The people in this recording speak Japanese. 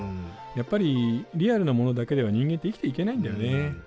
やっぱりリアルなものだけでは人間って生きていけないんだよね。